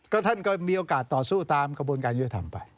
ท่านก็มีโอกาสต่อสู้ตามกระบวนการยุทธธรรมไป